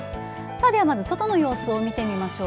では、まず外の様子を見てみましょう。